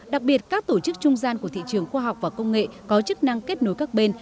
đặc biệt các tổ chức trung gian của thị trường khoa học và công nghệ có chức năng kết nối các bên